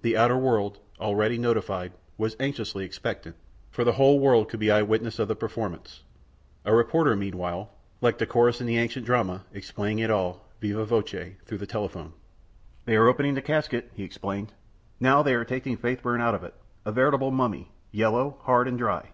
The outer world, already notified, was anxiously expectant, for the whole world could be eye witnesses of the performance, a reporter meanwhile, like the chorus in the ancient drama, explaining it all viva voce through the telephone. "They are opening the casket," he explained. "Now they are taking Faithburn out of it a veritable mummy, yellow, hard, and dry.